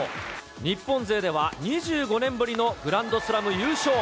日本勢では２５年ぶりのグランドスラム優勝。